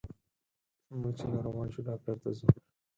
موږ چې ناروغان شو ډاکټر ته ځو.